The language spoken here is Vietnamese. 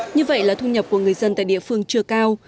như vậy là thu nhập của người dân tại địa phương chưa cao